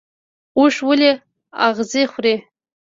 اوښ ولې اغزي خوري؟